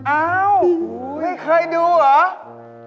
อ้าวไม่เคยดูเหรอ